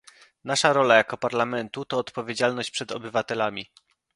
Nasza rola jako Parlamentu to odpowiedzialność przed obywatelami